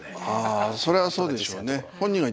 ああそれはそうでしょうね。